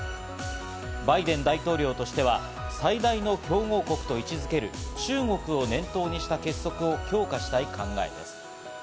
バイデン大統領としては最大の競合国と位置付ける中国を念頭にした結束を強化したい考えです。